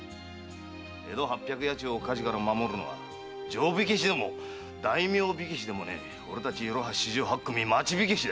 江戸八百八町を火事から守るのは定火消しでも大名火消しでもないいろは四十八組の町火消しだ！